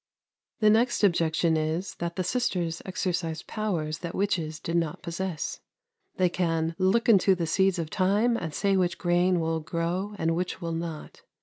The next objection is, that the sisters exercise powers that witches did not possess. They can "look into the seeds of time, and say which grain will grow, and which will not."